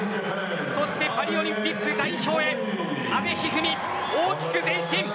そしてパリオリンピック代表へ阿部一二三、大きく前進。